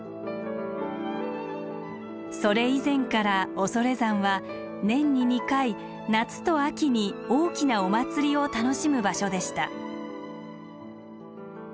それ以前から恐山は年に２回夏と秋に大きなお祭りを楽しむ場所でした。